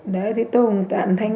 đấy thì tôi tạm thanh